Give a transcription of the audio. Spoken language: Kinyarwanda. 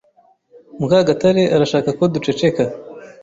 Mukagatare arashaka ko duceceka.